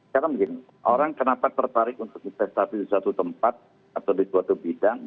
karena begini orang kenapa tertarik untuk investasi di satu tempat atau di suatu bidang